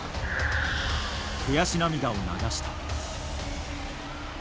悔し涙を流した。